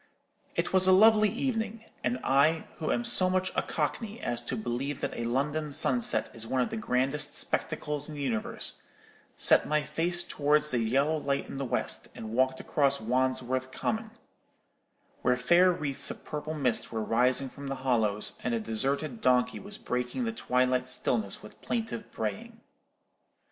It was a lovely evening; and I, who am so much a Cockney as to believe that a London sunset is one of the grandest spectacles in the universe, set my face towards the yellow light in the west, and walked across Wandsworth Common, where faint wreaths of purple mist were rising from the hollows, and a deserted donkey was breaking the twilight stillness with a plaintive braying.